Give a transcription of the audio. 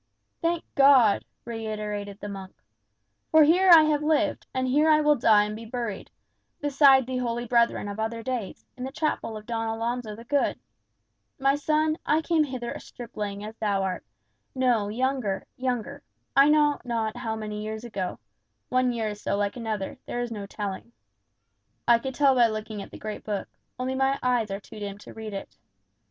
"Thank God!" reiterated the old monk. "For here I have lived; and here I will die and be buried, beside the holy brethren of other days, in the chapel of Don Alonzo the Good. My son, I came hither a stripling as thou art no, younger, younger I know not how many years ago; one year is so like another, there is no telling. I could tell by looking at the great book, only my eyes are too dim to read it.